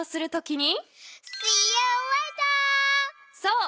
そう。